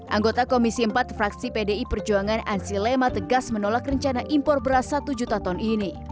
anggota komisi empat fraksi pdi perjuangan ansi lema tegas menolak rencana impor beras satu juta ton ini